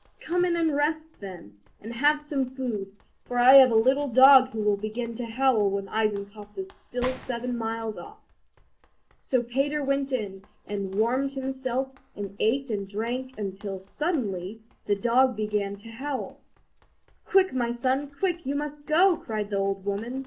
"Come in and rest then, and have some food, for I have a little dog who will begin to howl when Eisenkopf is still seven miles off." So Peter went in and warmed himself and ate and drank, till suddenly the dog began to howl. "Quick, my son, quick, you must go," cried the old woman.